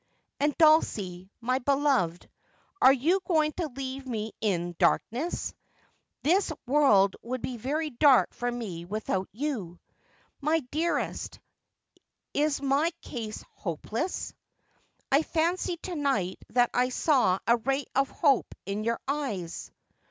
'And, Dulcie, my beloved, are you going to leave me in Y 322 Just as I Am. darkness ? This world would be very dark for me without you. My dearest, is my case hopeless ] I fancied to night that I saw a ray of hope in your eyes.'